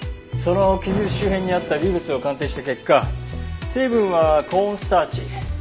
その傷口周辺にあった微物を鑑定した結果成分はコーンスターチ。